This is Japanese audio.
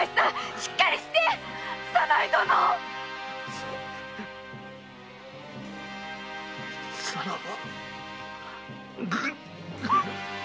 しっかりして左内殿‼さらば。